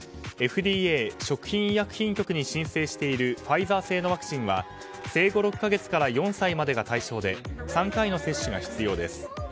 ＦＤＡ・食品医薬品局に申請しているファイザー製のワクチンは生後６か月から４歳までが対象で３回の接種が必要です。